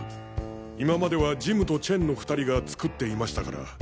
今まではジムとチェンの２人が作っていましたから。